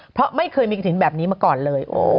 เพราะไม่เคยมีกระถิ่นแบบนี้มาก่อนเลย